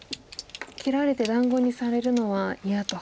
切られて団子にされるのは嫌と。